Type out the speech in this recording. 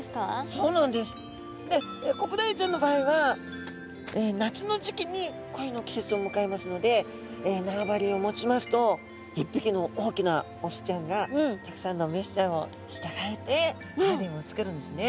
そうなんです。でコブダイちゃんの場合は夏の時期に恋の季節をむかえますので縄張りを持ちますと一匹の大きなオスちゃんがたくさんのメスちゃんを従えてハーレムを作るんですね。